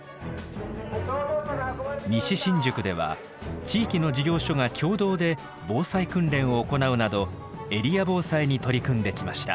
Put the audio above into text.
西新宿では地域の事業所が共同で防災訓練を行うなどエリア防災に取り組んできました。